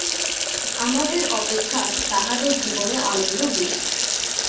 আমাদের অপেক্ষা তাহাদের জীবনে আনন্দ বেশী।